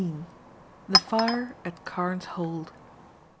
THE FIRE AT CARNE'S HOLD.